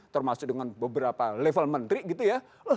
termasuk dengan beberapa level menteri gitu ya